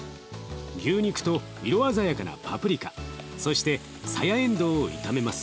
牛肉と色鮮やかなパプリカそしてさやえんどうを炒めます。